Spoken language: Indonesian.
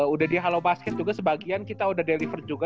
udah di halo basket juga sebagian kita udah deliver juga